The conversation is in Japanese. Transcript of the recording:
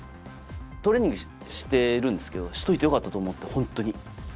トレーニングしてるんですけどしといてよかったと思ってホントに。